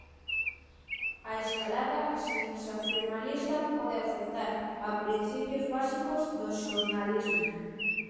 A escalada sensacionalista pode afectar a principios básicos do xornalismo?